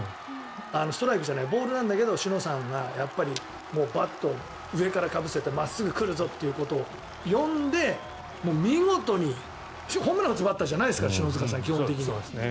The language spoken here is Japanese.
ストライクじゃなくてボールなんだけどシノさんがバットを上からかぶせて真っすぐ、来るぞということを読んで見事にホームラン打つバッターじゃないですから篠塚さん、基本的に。